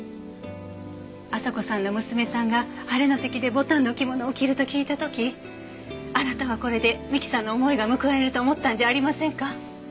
朝子さんの娘さんが晴れの席で牡丹の着物を着ると聞いた時あなたはこれで美樹さんの思いが報われると思ったんじゃありませんか？